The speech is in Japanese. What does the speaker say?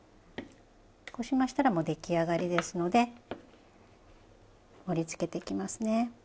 こうしましたらもう出来上がりですので盛り付けていきますね。